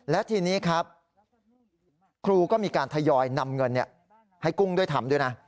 และทีนี้ครับครูก็มีการทยอยนำเงินให้กุ้งด้วยทำด้วยนะ